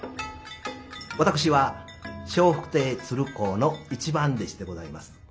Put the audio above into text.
私は笑福亭鶴光の一番弟子でございます。